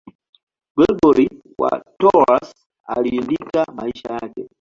Gregori wa Tours aliandika maisha yake.